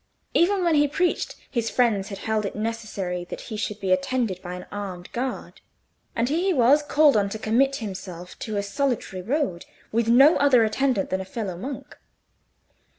Even when he preached, his friends held it necessary that he should be attended by an armed guard; and here he was called on to commit himself to a solitary road, with no other attendant than a fellow monk.